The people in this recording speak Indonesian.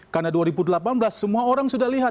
karena dua ribu delapan belas semua orang sudah lihat